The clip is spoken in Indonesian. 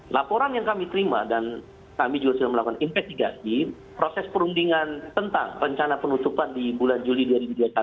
laporan yang kami terima dan kami juga sudah melakukan investigasi proses perundingan tentang rencana penutupan di bulan juli dua ribu dua puluh satu